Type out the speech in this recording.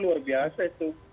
luar biasa itu